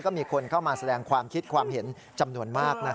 ก็มีคนเข้ามาแสดงความคิดความเห็นจำนวนมาก